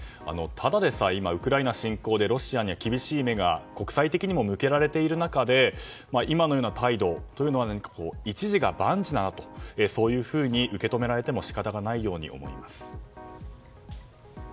ただでさえ、ウクライナ侵攻でロシアには厳しい目が国際的にも向けられている中で今のような態度は一事が万事だなとそういうふうに受け止められても仕方がないように思います。